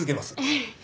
ええ。